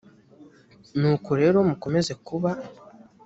nuko rero mukomeze kuba